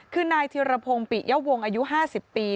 คือนายธิรพงศ์ปิยะวงอายุ๕๐ปี